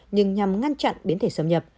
nhưng nhằm ngăn chặn biến thể xâm nhập